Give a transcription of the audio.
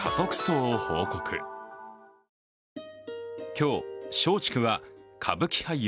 今日、松竹は歌舞伎俳優